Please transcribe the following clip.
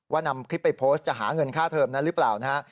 นำคลิปไปโพสต์จะหาเงินค่าเทอมนั้นหรือเปล่านะฮะ